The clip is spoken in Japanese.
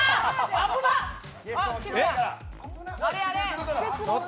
危なっ！！